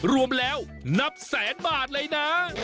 รวมแล้วนับแสนบาทเลยนะ